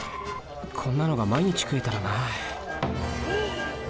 こんなのが毎日食えたらな。